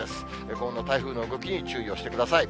今後の台風の動きに注意をしてください。